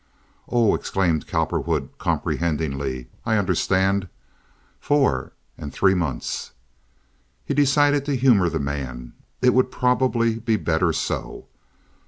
"Oh!" exclaimed Cowperwood, comprehendingly. "I understand. Four and three months." He decided to humor the man. It would probably be better so.